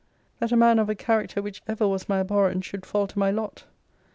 That a man of a character which ever was my abhorrence should fall to my lot!